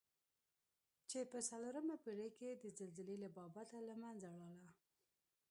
چې په څلورمه پېړۍ کې د زلزلې له بابته له منځه لاړه.